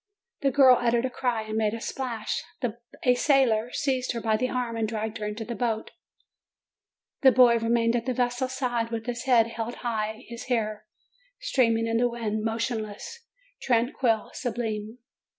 The girl uttered a cry and made a splash; a sailor Seized her by the arm, and dragged her into the boat. 338 JUNE The boy remained at the vessel's side, with his head held high, his hair streaming in the wind, motionless, tranquil, sublime.